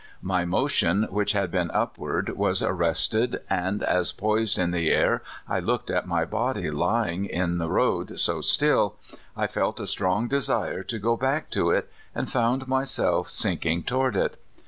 My motion, which had been upward, was arrested, and as, poised in the air, I looked at rny body lying there in the road FATHER FISHER. 139 so still, I felt a strong desire to go back to it, and found myself sinking toward it.